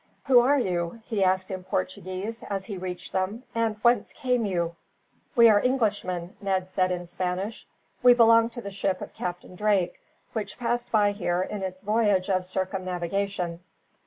"Who are you?" he asked in Portuguese, as he reached them, "and whence come you?" "We are Englishmen," Ned said in Spanish. "We belong to the ship of Captain Drake, which passed by here in its voyage of circumnavigation.